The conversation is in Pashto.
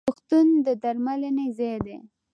روغتون د درملنې ځای دی